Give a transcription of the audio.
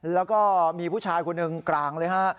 แล้วก็มีผู้ชายคนหนึ่งกลางเลยฮะ